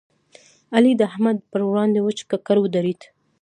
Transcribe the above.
علي د احمد پر وړاندې وچ ککړ ودرېد.